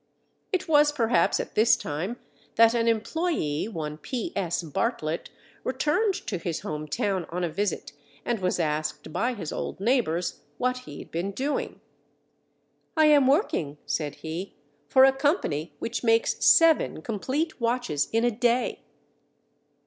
It was perhaps at this time that an employee, one P. S. Bartlett, returned to his home town on a visit and was asked by his old neighbors what he had been doing. "I am working," said he, "for a company which makes seven complete watches in a day."